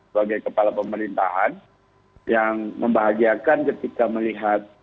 sebagai kepala pemerintahan yang membahagiakan ketika melihat